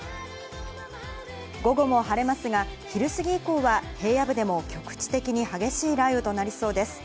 午後も晴れますが昼過ぎ以降は平野部でも局地的に激しい雷雨となりそうです。